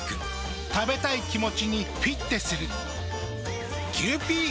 食べたい気持ちにフィッテする。